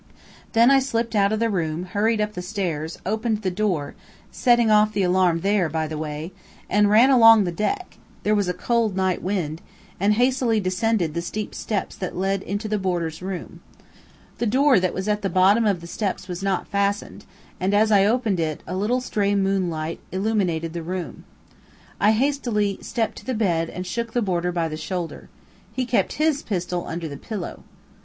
Then I slipped out of the room, hurried up the stairs, opened the door (setting off the alarm there, by the way), and ran along the deck (there was a cold night wind), and hastily descended the steep steps that led into the boarder's room. The door that was at the bottom of the steps was not fastened, and, as I opened it, a little stray moonlight illumed the room. I hastily stepped to the bed and shook the boarder by the shoulder. He kept HIS pistol under his pillow.